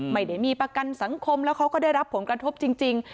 ไม่ได้มีประกันสังคมแล้วเขาก็ได้รับผลกระทบจริง